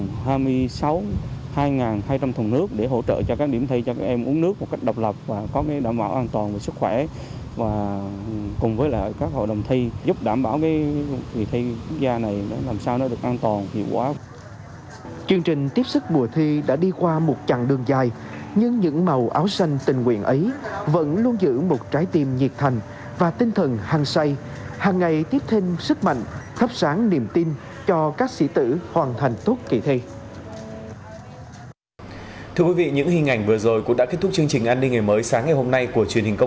chương trình tiếp xúc mùa thi đã đi qua một chặng đường dài nhưng những màu áo xanh tình nguyện ấy vẫn luôn giữ một trái tim nhiệt thành và tinh thần hăng say hàng ngày tiếp thêm sức mạnh thấp sáng niềm tin cho các sĩ tử hoàn thành tốt kỳ thi